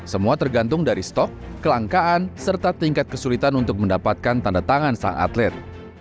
semua tergantung dari stok kelangkaan serta tingkat kesulitan untuk mendapatkan tanda tangan sang atlet